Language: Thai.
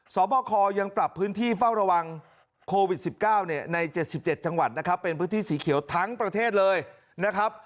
สอบคอยังปรับพื้นที่เฝ้าระวังโควิด๑๙ใน๗๗จังหวัดนะครับเป็นพื้นที่สีเขียวทั้งประเทศเลยนะครับ